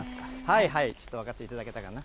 ちょっと分かっていただけたかな？